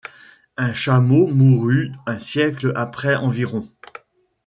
Un chameau mourut un siècle après environ.